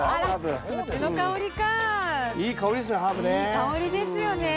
いい香りですよね。